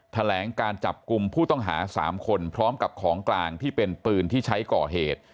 แถลงการจับกลุ่มผู้ต้องหา๓คนพร้อมกับของกลางที่เป็นปืนที่ใช้ก่อเหตุ